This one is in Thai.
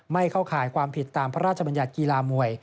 เข้าข่ายความผิดตามพระราชบัญญัติกีฬามวย